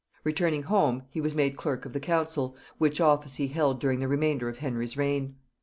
Returning home, he was made clerk of the council, which office he held during the remainder of Henry's reign.